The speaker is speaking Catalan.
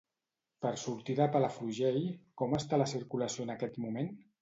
Per sortir de Palafrugell, com està la circulació en aquest moment?